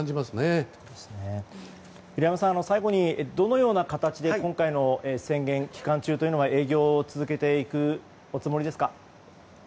平山さん、最後にどのような形で今回の宣言期間中というのは営業を続けていくおつもりですか？